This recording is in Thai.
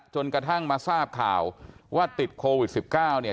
จนกระทั่งมาทราบข่าวว่าติดโควิด๑๙เนี่ย